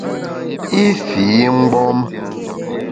I fii mgbom.